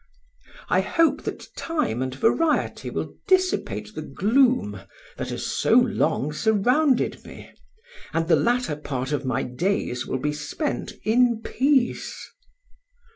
I hope that time and variety will dissipate the gloom that has so long surrounded me, and the latter part of my days will be spent in peace."